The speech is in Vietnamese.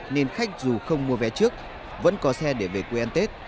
nên khách dù không mua vé trước vẫn có xe để về quê ăn tết